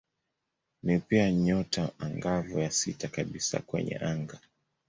Ni pia nyota angavu ya sita kabisa kwenye anga.